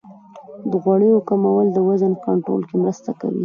د غوړیو کمول د وزن کنټرول کې مرسته کوي.